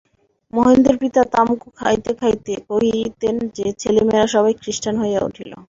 মহেন্দ্রের পিতা তামকু খাইতে খাইতে কহিতেন যে, ছেলেমেয়েরা সবাই খৃস্টান হইয়া উঠিল।